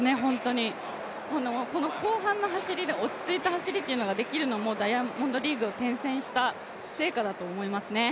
この後半の走りで落ち着いた走りというのができるというのもダイヤモンドリーグを転戦した成果だと思いますね。